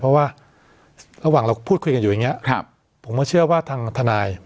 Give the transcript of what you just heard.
เพราะว่าระหว่างเราพูดคุยกันอยู่อย่างนี้ผมก็เชื่อว่าทางทนาย